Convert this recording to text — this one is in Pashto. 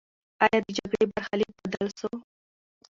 آیا د جګړې برخلیک بدل سو؟